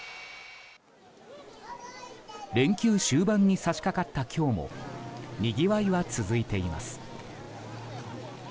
連休終盤に差し掛かった今日もにぎわいは続いています。